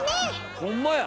ホンマや！